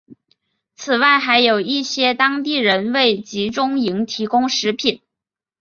此外还有一些当地人为集中营提供食品。